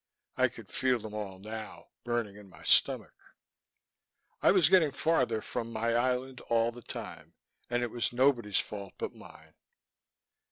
I could feel them all now, burning in my stomach. I was getting farther from my island all the time And it was nobody's fault but mine.